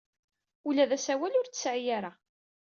Ula d asawal ur t-tesɛi ara.